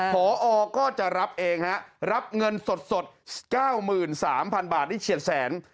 พอก็จะรับเองฮะรับเงินสด๙๓๐๐๐บาทได้เฉียดแสน